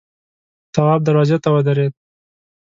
تواب دروازې ته ودرېد.